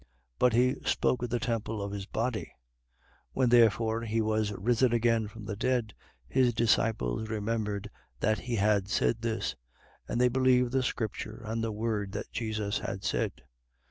2:21. But he spoke of the temple of his body. 2:22. When therefore he was risen again from the dead, his disciples remembered that he had said this: and they believed the scripture and the word that Jesus had said.